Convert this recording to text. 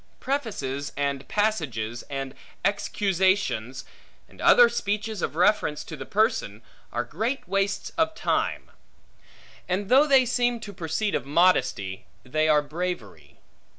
Prefaces and passages, and excusations, and other speeches of reference to the person, are great wastes of time; and though they seem to proceed of modesty, they are bravery.